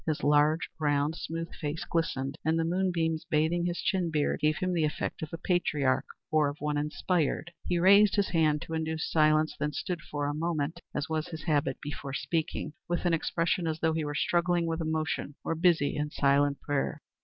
His large, round, smooth face glistened, and the moonbeams, bathing his chin beard, gave him the effect of a patriarch, or of one inspired. He raised his hand to induce silence, then stood for a moment, as was his habit before speaking, with an expression as though he were struggling with emotion or busy in silent prayer.